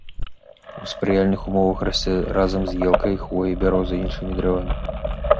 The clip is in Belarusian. У спрыяльных умовах расце разам з елкай, хвояй, бярозай і іншымі дрэвамі.